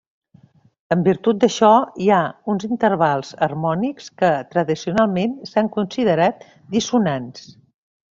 En virtut d'això, hi ha uns intervals harmònics que tradicionalment s'han considerat dissonants.